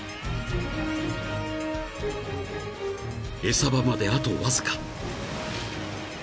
［餌場まであとわずか］